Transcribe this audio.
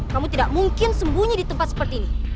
kamu tidak mungkin sembunyi di tempat seperti ini